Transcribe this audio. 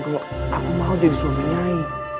kalau aku mau jadi suami nyai